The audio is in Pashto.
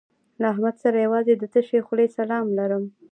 له احمد سره یوازې د تشې خولې سلام لرم.